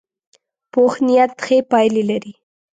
پوخ نیت ښې پایلې لري